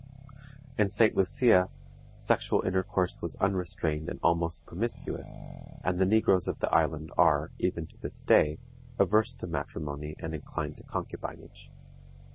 In St. Lucia sexual intercourse was unrestrained and almost promiscuous, and the negroes of the island are, even to this day, averse to matrimony and inclined to concubinage.